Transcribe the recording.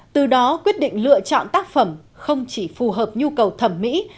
từ đó quyết định lựa chọn tác phẩm không chỉ phù hợp nhu cầu thẩm mỹ